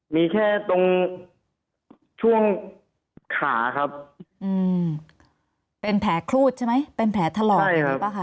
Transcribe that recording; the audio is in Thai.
มีแค่ตรงช่วงขาครับเป็นแผลครูดใช่ไหมเป็นแผลถลอกอย่างนี้ป่ะคะ